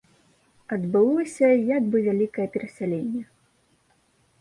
Адбылося як бы вялікае перасяленне.